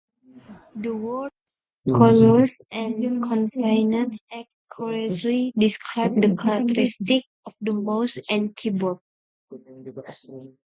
The words "cordless" and "convenient" accurately describe the characteristics of the mouse and keyboard.